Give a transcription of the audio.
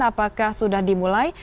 apakah sudah dimulai